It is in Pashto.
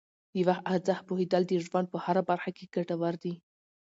د وخت ارزښت پوهیدل د ژوند په هره برخه کې ګټور دي.